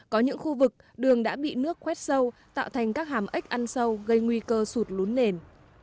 có những khu vực đường đã bị nước khoét sâu tạo thành các hàm ếch ăn sâu gây nguy cơ sụt lún nền